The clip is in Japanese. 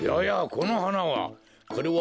このはなは。